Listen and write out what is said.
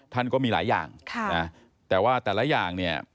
ก็มีหลายอย่างแต่ว่าแต่ละอย่างเนี่ย